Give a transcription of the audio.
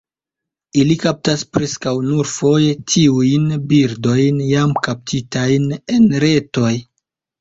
Ili kaptas preskaŭ nur foje tiujn birdojn jam kaptitajn en retoj.